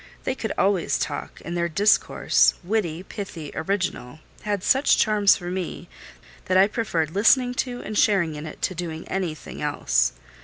They could always talk; and their discourse, witty, pithy, original, had such charms for me, that I preferred listening to, and sharing in it, to doing anything else.